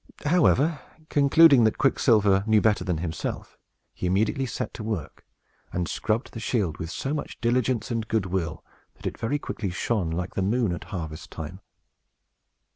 However, concluding that Quicksilver knew better than himself, he immediately set to work, and scrubbed the shield with so much diligence and good will, that it very quickly shone like the moon at harvest time.